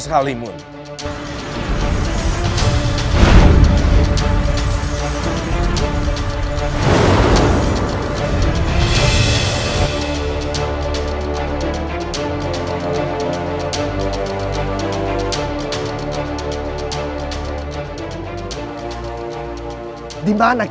namun yang telah ditolak